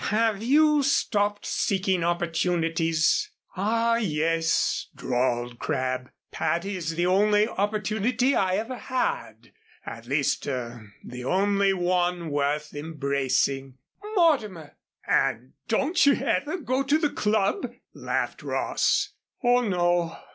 Have you stopped seeking opportunities?" "Ah, yes," drawled Crabb, "Patty is the only opportunity I ever had at least er the only one worth embracing " "Mortimer!" "And don't you ever go to the Club?" laughed Ross. "Oh, no.